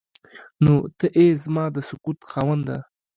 نو ته ای زما د سکوت خاونده.